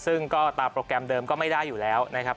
ซึ่งก็ตามโปรแกรมเดิมก็ไม่ได้อยู่แล้วนะครับ